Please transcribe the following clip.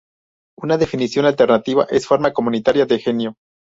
Una definición alternativa es 'forma comunitaria de genio'.